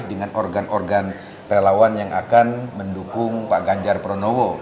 dengan organ organ relawan yang akan mendukung pak ganjar pranowo